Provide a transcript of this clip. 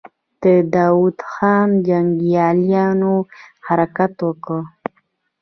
د داوود خان جنګياليو حرکت وکړ.